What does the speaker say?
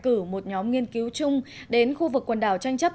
cử một nhóm nghiên cứu chung đến khu vực quần đảo tranh chấp